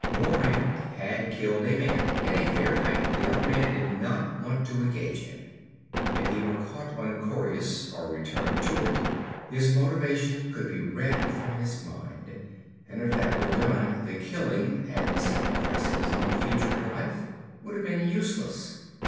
Moran had killed a man in a fair fight the other man did not want to engage in. If he were caught on Coryus or returned to it, his motivation could be read from his mind. And if that was done the killing and the sacrifice of his own future and life would have been useless.